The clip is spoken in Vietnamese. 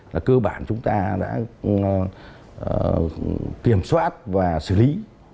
là cơ bản chúng ta đã kiểm soát và xử lý